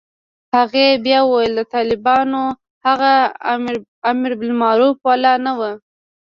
هغې بيا وويل د طالبانو هغه امربالمعروف والا نه و.